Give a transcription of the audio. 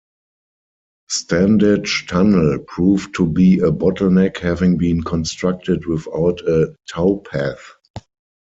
Standedge Tunnel proved to be a bottleneck having been constructed without a towpath.